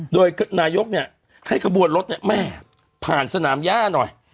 โดยนายกเนี่ยให้ขบวนรถเนี่ยแม่ผ่านสนามย่าหน่อย